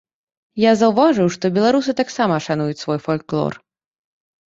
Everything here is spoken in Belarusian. Я заўважыў, што беларусы таксама шануюць свой фальклор.